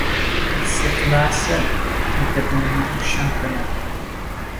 Il se classe et dernier du championnat.